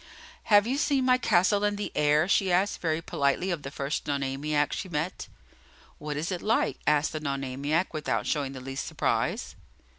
"Have you seen my castle in the air?" she asked, very politely, of the first Nonamiac she met. "What is it like?" asked the Nonamiac, without showing the least surprise.